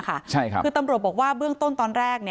คือตำรวจบอกว่าเบื้องต้นตอนแรก